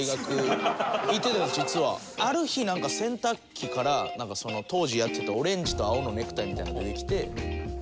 ある日なんか洗濯機から当時やってたオレンジと青のネクタイみたいなのが出てきて。